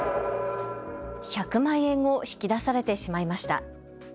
１００万円を引き出されてしまいました。